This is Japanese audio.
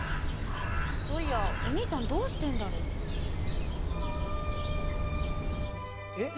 そういやお兄ちゃんどうしてんだろう？えっ！？